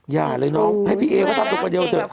ยากเลยน้องให้พี่เอ็กซ์ก็ทำลูกกันเดียวเถอะ